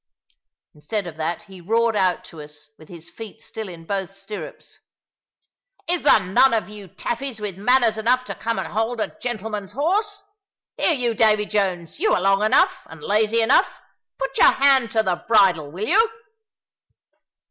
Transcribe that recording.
Instead of that he roared out to us, with his feet still in both stirrups, "Is there none of you Taffies with manners enough to come and hold a gentleman's horse? Here you, Davy Jones, you are long enough, and lazy enough; put your hand to the bridle, will you?"